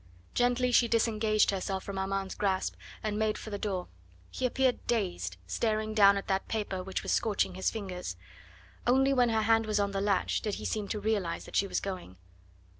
Gently she disengaged herself from Armand's grasp and made for the door. He appeared dazed, staring down at that paper which was scorching his fingers. Only when her hand was on the latch did he seem to realise that she was going.